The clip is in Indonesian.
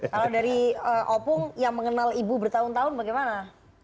kalau dari opung yang mengenal ibu bertahun tahun bagaimana